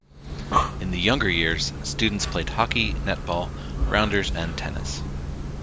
In the younger years, students play hockey, netball, rounders and tennis.